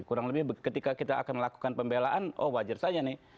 kurang lebih ketika kita akan melakukan pembelaan oh wajar saja nih